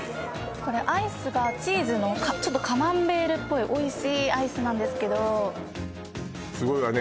これアイスがチーズのちょっとカマンベールっぽいおいしいアイスなんですけどすごいわね